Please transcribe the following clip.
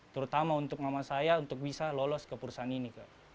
terutama untuk mama saya untuk bisa lolos ke perusahaan ini